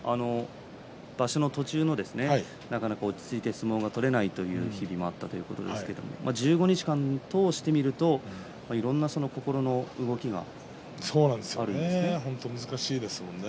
場所の途中なかなか落ち着いて相撲を取れないという日もあったということですが１５日間通してみるといろんな心の動きが本当に難しいですよね。